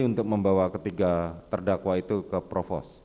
untuk membawa ketiga terdakwa itu ke provos